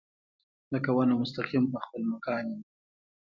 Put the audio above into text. لکه ونه مستقیم پۀ خپل مکان يم